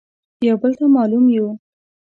يو بل ته مالوم يو.